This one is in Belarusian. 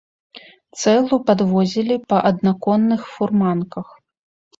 Цэглу падвозілі па аднаконных фурманках.